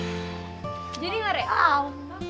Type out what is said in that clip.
jadi gak real